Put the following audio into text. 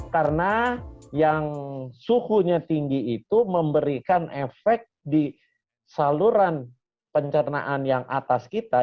karena yang suhunya tinggi itu memberikan efek di saluran pencernaan yang atas kita